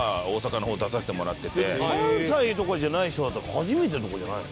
関西とかじゃない人だったら初めてとかじゃないの？